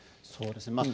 そうですね。